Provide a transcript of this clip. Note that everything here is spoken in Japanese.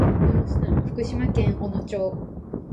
福島県小野町